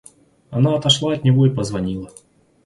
Она отошла от него и позвонила.